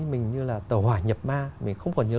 mình như là tờ hỏa nhập ma mình không còn nhớ